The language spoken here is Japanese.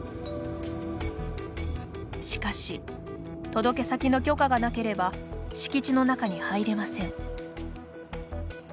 しかし、届け先の許可がなければ敷地の中に入れません。